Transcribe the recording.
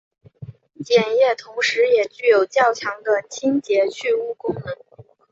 碱液同时也具有较强的清洁去污功能。